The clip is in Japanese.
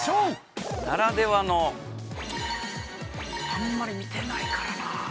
あんまり見てないからなあ。